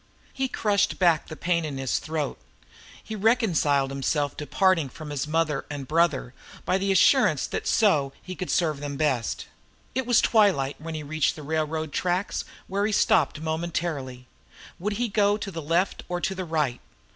He crushed back the pain in his throat; he reconciled himself to the parting from his mother and brother by the assurance that so he could serve them best. It was twilight when he reached the railroad tracks, where he stopped momentarily. Would he go to the left or to the right?